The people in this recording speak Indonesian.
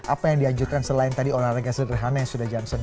apa yang dianjurkan selain tadi olahraga sederhana yang sudah johnson